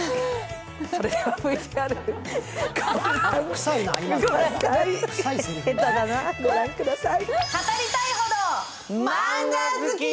それではＶＴＲ御覧ください。